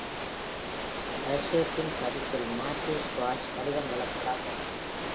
வர்ட்ஷேப்பின் பதிப்பில் மாற்று ஸ்வாஷ் வடிவங்களும் அடங்கும்.